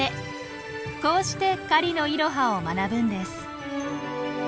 こうして狩りのイロハを学ぶんです。